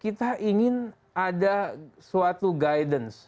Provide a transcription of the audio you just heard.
kita ingin ada suatu guidance